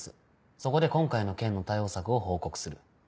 そこで今回の件の対応策を報告する。